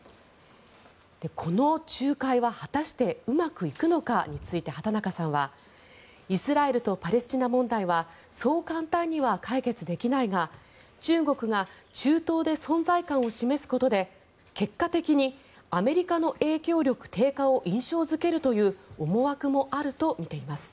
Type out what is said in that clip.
この仲介は果たしてうまくいくのかについて畑中さんはイスラエルとパレスチナ問題はそう簡単には解決できないが中国が中東で存在感を示すことで結果的にアメリカの影響力低下を印象付けるという思惑もあるとみています。